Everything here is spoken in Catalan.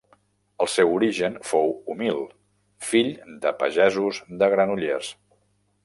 El seu origen fou humil, fill de pagesos de Granollers.